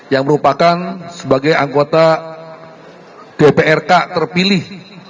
yang merupakan sebagai anggota dprk terpilih